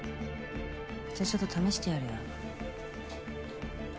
じゃあちょっと試してやるよ。